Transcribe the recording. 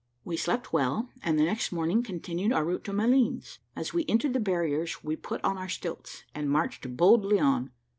We slept well, and the next morning continued our route to Malines. As we entered the barriers we put on our stilts, and marched boldly on.